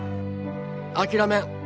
諦めん。